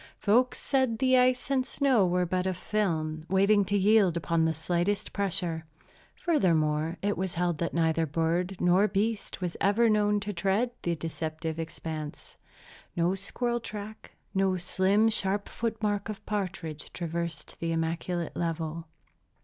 Folks said the ice and snow were but a film, waiting to yield upon the slightest pressure. Furthermore, it was held that neither bird nor beast was ever known to tread the deceptive expanse. No squirrel track, no slim, sharp foot mark of partridge, traversed the immaculate level.